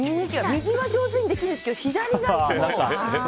右は上手にできるんですけど左がもう。